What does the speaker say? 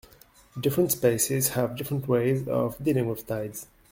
Different species have different ways of dealing with tides.